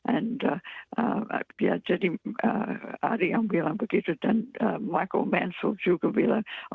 and ya jadi ada yang bilang begitu dan michael mansell juga bilang